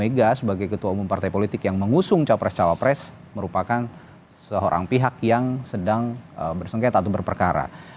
mega sebagai ketua umum partai politik yang mengusung capres cawapres merupakan seorang pihak yang sedang bersengketa atau berperkara